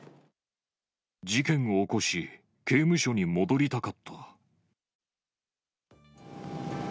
事件を起こし、刑務所に戻りたかった。